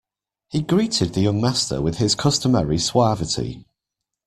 He greeted the young master with his customary suavity.